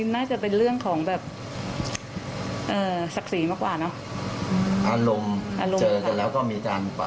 น่าจะเป็นเรื่องของแบบศักดิ์ศรีมากว่าอารมณ์เจอแล้วก็มี